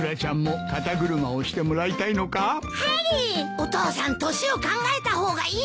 お父さん年を考えた方がいいよ。